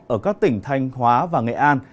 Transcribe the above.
ở các tỉnh thanh hóa và nghệ an